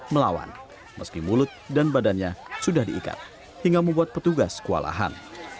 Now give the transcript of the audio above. melawan meski mulut dan badannya sudah diikat hingga membuat petugas kewalahan